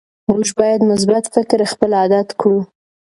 موږ باید مثبت فکر خپل عادت کړو